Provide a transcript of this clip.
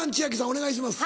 お願いします。